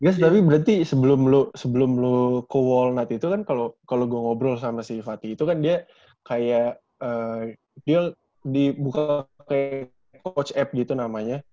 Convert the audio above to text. mas tapi berarti sebelum lo sebelum lo ke wall not itu kan kalau gue ngobrol sama si fatih itu kan dia kayak dia dibuka kayak coach app gitu namanya